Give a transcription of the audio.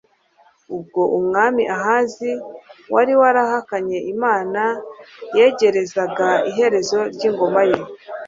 ubwo umwami ahazi wari warahakanye imana yegerezaga iherezo ry'ingoma ye